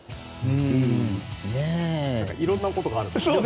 いろいろなことがあるんだね。